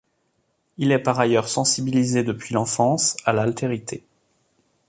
Il est par ailleurs sensibilisé depuis l'enfance à l'altérité.